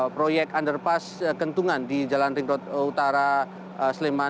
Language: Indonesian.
proyek underpass kentungan di jalan ringkot utara sleman